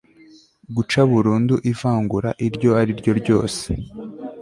guca burundu ivangura iryo ari ryo ryose